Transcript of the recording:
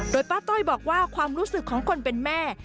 โดยป้าต้อยบอกว่าความรู้สึกของคนเป็นแม่